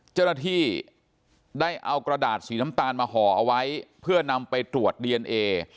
เจ้าหน้าที่ได้เอากระดาษสีน้ำตาลมาห่อเอาไว้เพื่อนำไปตรวจดีเอนเอ